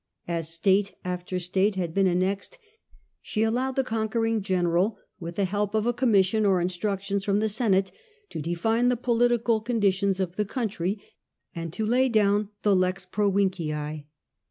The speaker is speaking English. As state after state had been annexed she allowed the conquering general, with the help of a commission or instructions from the Senate, to define the political conditions of the country, and to lay down the lex provincia.